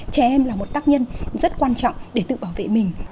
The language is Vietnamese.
trẻ em là một tác nhân rất quan trọng để tự bảo vệ mình